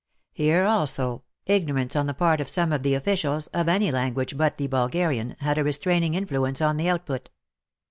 Here also, ignorance on the part of some of the officials, of any language but the Bulgarian, had a restraining influence on the output.